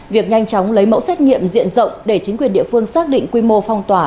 việc nhanh chóng lấy mẫu xét nghiệm diện rộng để chính quyền địa phương xác định quy mô phong tỏa